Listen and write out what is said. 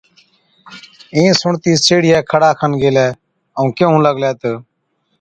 اِين سُڻتِي سيهڙِيئَي کَڙا کن گيلَي ائُون ڪيهُون لاگلَي تہ،